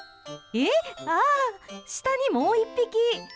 え、あらら、下にもう１匹！